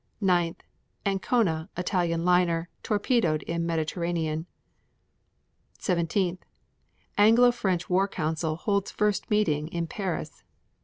9. Ancona, Italian liner, torpedoed in Mediterranean. 17. Anglo French war council holds first meeting in Paris.